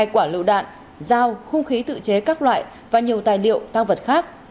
hai quả lựu đạn dao khung khí tự chế các loại và nhiều tài liệu tăng vật khác